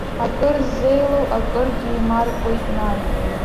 Акыр ззеилоу, акыргьы еимаркуеит нан.